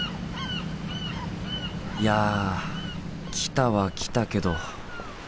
いや来たは来たけど。